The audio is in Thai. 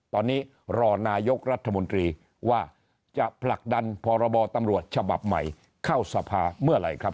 ตอนนี้รอนายกรัฐมนตรีว่าจะผลักดันพรบตำรวจฉบับใหม่เข้าสภาเมื่อไหร่ครับ